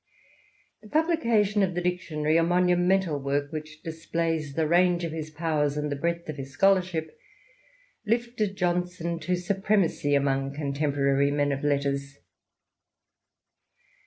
The publication of the Dictionary — a monumental work which displays the range of his powers and the breadth of his scholaiship— lifted Johnson to supremacy amongst con temporary men of letters.